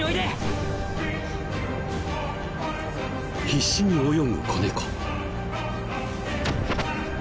必死に泳ぐ子猫。